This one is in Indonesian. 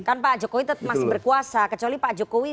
kan pak jokowi masih berkuasa kecuali pak jokowi